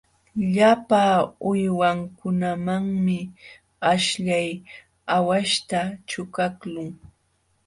Llapa uywankunamanmi aśhllay aawaśhta ćhuqaqlun.